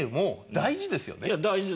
大事ですよ。